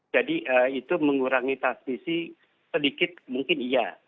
jadi itu mengurangi tas visi sedikit mungkin iya